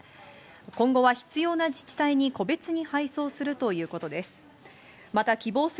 今後は必要な自治体に個別に配送するということです。